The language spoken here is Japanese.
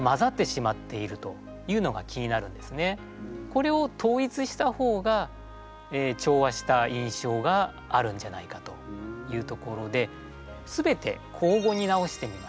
これを統一した方が調和した印象があるんじゃないかというところで全て口語に直してみました。